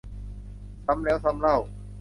ซ้ำแล้วซ้ำเล่า